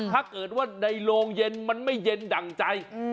ถ้าเกิดว่าในโรงเย็นมันไม่เย็นดั่งใจ